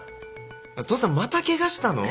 父さんまたケガしたの？